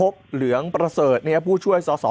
เบิร์ตลมเสียโอ้โห